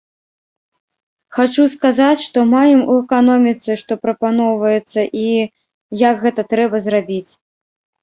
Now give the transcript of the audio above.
Хачу сказаць, што маем у эканоміцы, што прапаноўваецца, і як гэта трэба зрабіць.